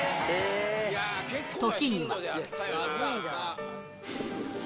時には。